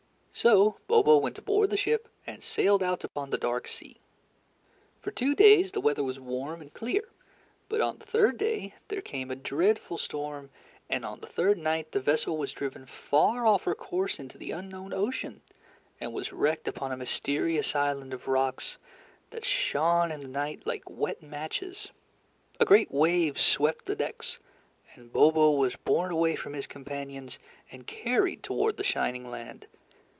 So Bobo went aboard the ship, and sailed out upon the dark sea. For two days the weather was warm and clear, but on the third day, there came a dreadful storm, and on the third night the vessel was driven far off her course into the unknown ocean, and was wrecked upon a mysterious island of rocks that shone in the night like wet matches. A great wave swept the decks, and Bobo was borne away from his companions and carried toward the shining land.